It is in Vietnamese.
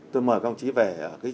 tôi mời các ông chí về